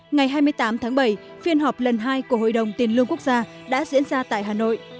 ngày hai mươi tám tháng bảy phiên họp lần hai của hội đồng tiền lương quốc gia đã diễn ra tại hà nội